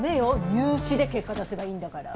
入試で結果出せばいいんだから。